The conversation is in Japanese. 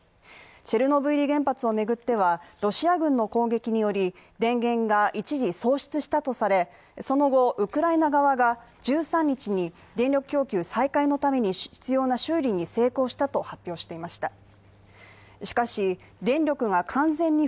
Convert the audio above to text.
チェルノブイリ原発を巡っては、ロシア軍の攻撃により電源が一時喪失したとされ、その後、ウクライナ側が１３日に電力供給再開のために、必要な修理に成功したと発表していました。